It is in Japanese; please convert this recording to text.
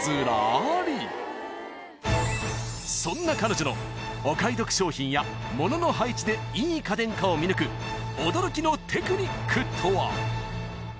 ［そんな彼女のお買い得商品や物の配置でいい家電かを見抜く驚きのテクニックとは？］